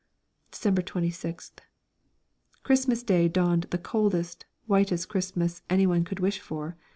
December 26th. Christmas Day dawned the coldest, whitest Christmas anyone could wish for.